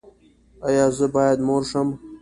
ایا زه باید مور شم؟